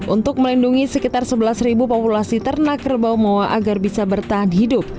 untuk melindungi sekitar sebelas populasi ternak kerbau moa agar bisa bertahan hidup